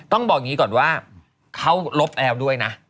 ต้องบอกอย่างนี้ก่อนว่าเขาลบแล้วด้วยนะ